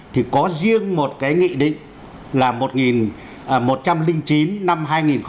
thì có riêng một cái nghị định là một trăm linh chín năm hai nghìn một mươi bảy